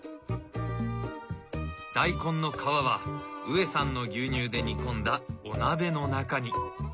大根の皮はウエさんの牛乳で煮込んだお鍋の中に。